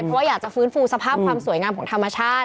เพราะว่าอยากจะฟื้นฟูสภาพความสวยงามของธรรมชาติ